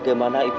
kau yang mimpi